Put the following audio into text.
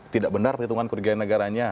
tidak benar perhitungan kerugian negaranya